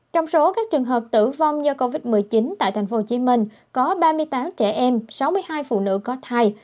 trong số các trường hợp tử vong do covid một mươi chín tại tp hcm có ba mươi tám trẻ em sáu mươi hai phụ nữ có thai